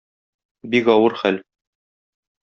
Бик авыр хәл.